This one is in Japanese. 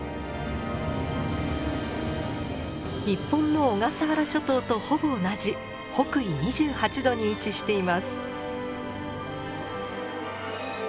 日本の小笠原諸島とほぼ同じ北緯２８度に位置しています。